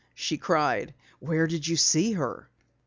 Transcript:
she cried. "Where did you see her?"